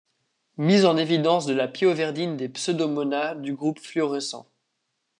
Mise en évidence de la pyoverdine des Pseudomonas du groupe fluorescent.